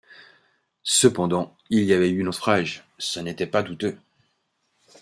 Cependant, il y avait eu naufrage, ce n’était pas douteux.